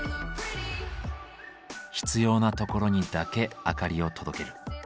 必要なところにだけ明かりを届ける。